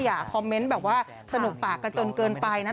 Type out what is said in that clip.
อย่าคอมเมนต์แบบว่าสนุกปากกันจนเกินไปนะ